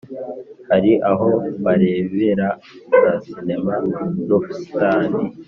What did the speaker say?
hari aho barebera za sinema n’ubusitani